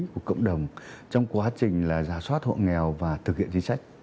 của cộng đồng trong quá trình giả soát hộ nghèo và thực hiện chính sách